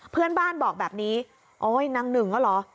เพื่อนบ้านบอกแบบนี้โอ๊ยนางหนึ่งก็เหรอ